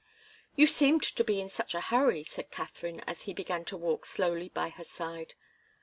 "You seemed to be in such a hurry," said Katharine, as he began to walk slowly by her side.